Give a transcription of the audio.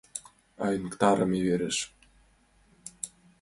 Айныктарыме верыш!